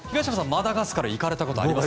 マダガスカルに行かれたことはありますか。